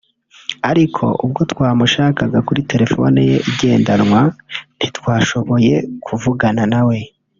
ariko ubwo twamushakaga kuri telefoni ye igendanwa ntitwashoboye kuvugana na we